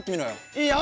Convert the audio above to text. いいよ！